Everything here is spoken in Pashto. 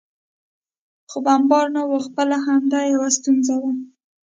خو بمبار نه و، خپله همدې یو ستونزه وه.